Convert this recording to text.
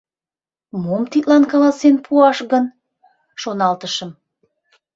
«Мом тидлан каласен пуаш гын?» — шоналтышым.